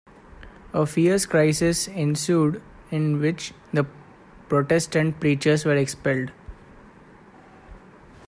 A fierce crisis ensued in which the Protestant preachers were expelled.